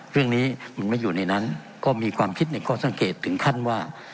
เรื่องนี้มันไม่อยู่ในนั้นก็มีความคิดในข้อสังเกตถึงขั้นว่า